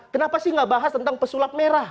kenapa sih gak bahas tentang pesulap merah